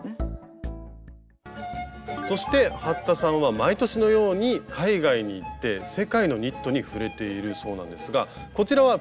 そして服田さんは毎年のように海外に行って世界のニットに触れているそうなんですがこちらはペルー？